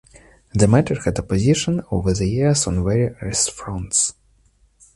The matter had opposition over the years on various fronts.